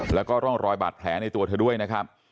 แล้วก็ร่องรอยบาดแผลในตัวเธอด้วยนะครับ